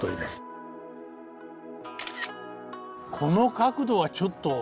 この角度はちょっと。